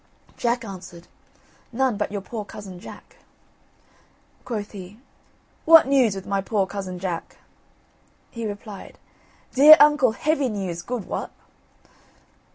Jack answered: "None but your poor cousin Jack." Quoth he: "What news with my poor cousin Jack?" He replied: "Dear uncle, heavy news, God wot!"